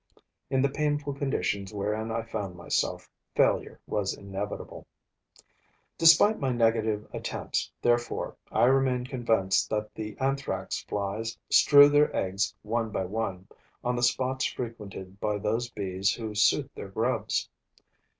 In the painful conditions wherein I found myself, failure was inevitable. Despite my negative attempts, therefore, I remain convinced that the Anthrax flies strew their eggs one by one, on the spots frequented by those bees who suit their grubs.